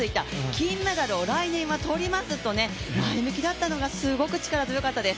金メダルを来年はとりますと前向きだったのがすごく力強かったです。